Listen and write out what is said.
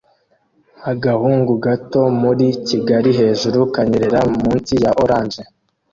Agahungu gato muri kigali hejuru kanyerera munsi ya orange